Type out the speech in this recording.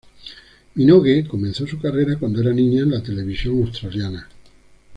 Minogue comenzó su carrera cuando era niña en la televisión australiana.